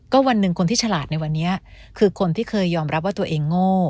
วันหนึ่งคนที่ฉลาดในวันนี้คือคนที่เคยยอมรับว่าตัวเองโง่